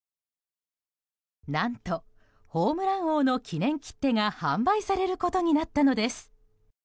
何と、ホームラン王の記念切手が販売されることになったのです。